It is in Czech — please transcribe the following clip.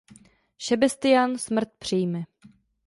Šebestián smrt přijme.